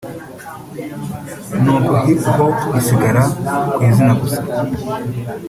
ni uko hip hop isigara ku izina gusa